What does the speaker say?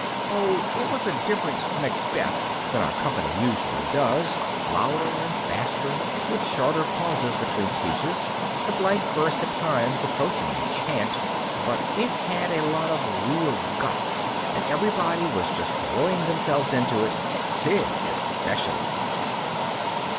Oh, it was a different Macbeth than our company usually does. Louder and faster, with shorter pauses between speeches, the blank verse at times approaching a chant. But it had a lot of real guts and everybody was just throwing themselves into it, Sid especially.